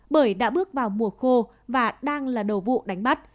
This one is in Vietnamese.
bởi đã bước vào mùa khô và đang là đầu vụ đánh bắt